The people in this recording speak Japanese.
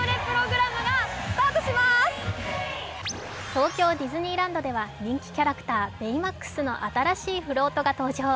東京ディズニーランドでは人気キャラクター、ベイマックスの新しいフロートが登場。